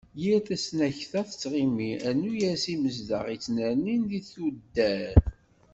Yir tasnakta tɣemmi, rnu-as imezdaɣ i yettnernin di tuddar.